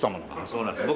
そうなんですか。